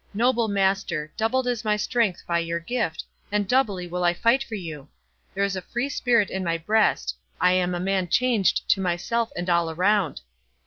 —Noble master! doubled is my strength by your gift, and doubly will I fight for you!—There is a free spirit in my breast—I am a man changed to myself and all around.